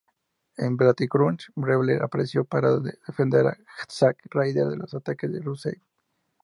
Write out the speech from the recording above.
En Battleground, Rawley apareció para defender a Zack Ryder de los ataques de Rusev.